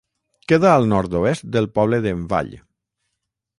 Queda al nord-oest del poble d'Envall.